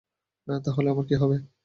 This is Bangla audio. তাহলে আমার কী হবে?